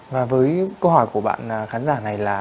và với câu hỏi của bạn khán giả này là